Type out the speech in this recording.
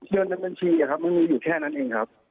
เงินในบัญชีมันมีอยู่แค่นั้นเองครับ